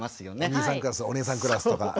お兄さんクラスお姉さんクラスとか。